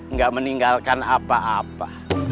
nggak meninggalkan apa apa